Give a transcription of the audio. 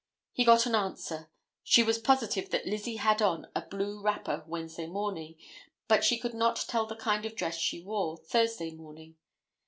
He got an answer. She was positive that Lizzie had on a blue wrapper Wednesday morning, but she could not tell the kind of dress she wore Thursday morning.